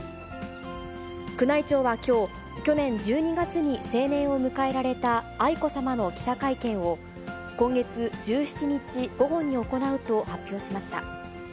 宮内庁はきょう、去年１２月に成年を迎えられた愛子さまの記者会見を、今月１７日午後に行うと発表しました。